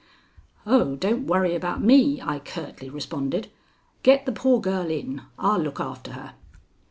"Oh, don't worry about me!" I curtly responded. "Get the poor girl in. I'll look after her."